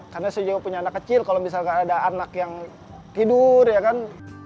karena saya juga punya anak kecil kalau misalkan ada anak yang tidur ya kan